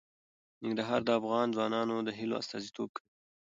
ننګرهار د افغان ځوانانو د هیلو استازیتوب کوي.